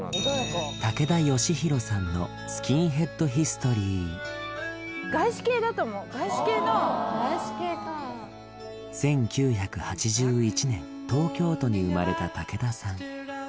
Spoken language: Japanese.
竹田好洋さんのスキンヘッドヒストリー外資系の外資系か１９８１年東京都に生まれた竹田さん